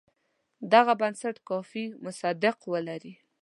دغه بنسټ کافي مصداق ولري.